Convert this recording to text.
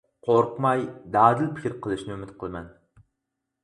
قورقماي، دادىل پىكىر قىلىشىنى ئۈمىد قىلىمەن.